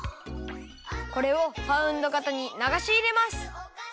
これをパウンド型にながしいれます。